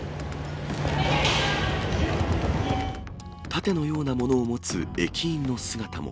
盾のようなものを持つ駅員の姿も。